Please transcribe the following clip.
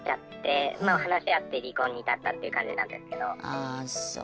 ああそう。